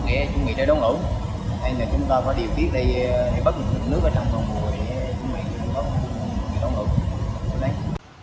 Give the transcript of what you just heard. tỉnh quảng ngãi đồng hồ chứa lưu lượng xả lũ điều tiết một trăm linh m khối một giây